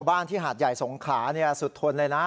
ที่หาดใหญ่สงขลาสุดทนเลยนะ